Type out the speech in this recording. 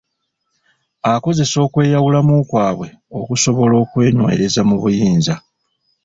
Akozesa kweyawulamu kwabwe okusobola okwenywereza mu buyinza.